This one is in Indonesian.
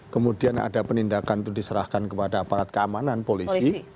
kemudian ada penindakan itu diserahkan kepada aparat keamanan polisi